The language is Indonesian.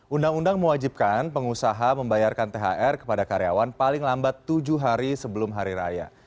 undang undang mewajibkan pengusaha membayarkan thr kepada karyawan paling lambat tujuh hari sebelum hari raya